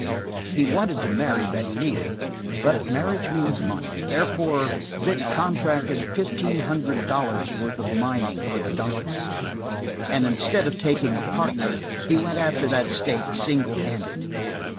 He wanted to marry Betty Neal, but marriage means money, therefore Vic contracted fifteen hundred dollars' worth of mining for the Duncans, and instead of taking a partner he went after that stake single handed.